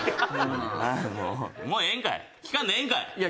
もうもうええんかい？